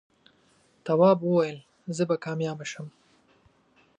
تواب وويل: زه به کامیابه شم.